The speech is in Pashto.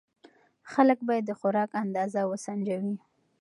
خلک باید د خوراک اندازه وسنجوي.